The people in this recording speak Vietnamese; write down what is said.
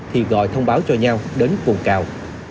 thì gọi thông báo cho nhau đến cuồng cao